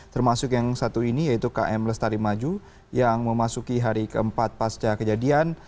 termasuk yang satu ini yaitu km lestari maju yang memasuki hari keempat pasca kejadian